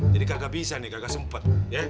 jadi kagak bisa nih kagak sempet